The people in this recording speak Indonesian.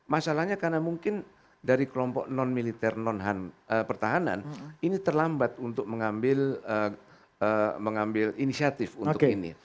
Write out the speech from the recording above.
masalahnya karena mungkin dari kelompok non militer non pertahanan ini terlambat untuk mengambil inisiatif untuk ini